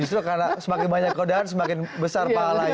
justru karena semakin banyak kegodaan semakin besar pahala ya